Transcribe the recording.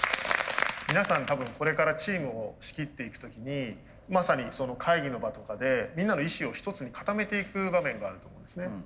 皆さん多分これからチームを仕切っていく時にまさにその会議の場とかでみんなの意思を一つに固めていく場面があると思うんですね。